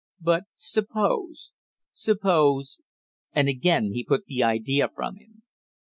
But suppose suppose and again he put the idea from him.